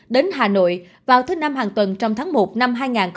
đến hà nội vào tháng năm hàng tuần trong tháng một năm hai nghìn hai mươi hai